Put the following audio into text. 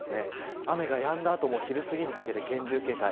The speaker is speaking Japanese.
雨がやんだ後も昼すぎにかけて厳重警戒。